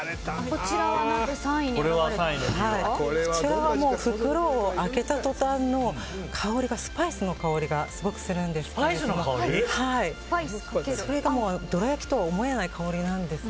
こちらは、袋を開けた途端にスパイスの香りがすごくするんです。